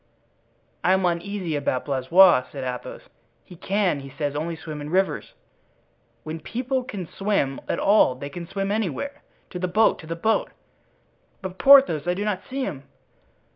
"I am uneasy about Blaisois," said Athos; "he can, he says, only swim in rivers." "When people can swim at all they can swim anywhere. To the boat! to the boat!" "But Porthos, I do not see him."